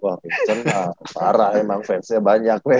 wah winston parah emang fansnya banyak weh